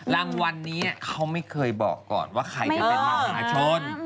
รางวัลนี้เขาไม่เคยบอกก่อนว่าใครจะเป็นมหาชน